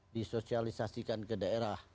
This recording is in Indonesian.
disosialisasikan ke daerah